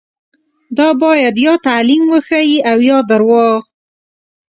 دا باید یا تعلیم وښيي او یا درواغ.